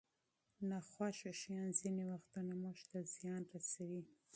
ناخوښه شیان ځینې وختونه موږ ته زیان رسوي.